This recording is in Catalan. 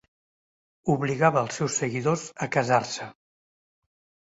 Obligava als seus seguidors a casar-se.